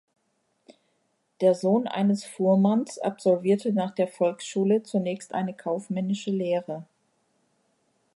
Der Sohn eines Fuhrmanns absolvierte nach der Volksschule zunächst eine kaufmännische Lehre.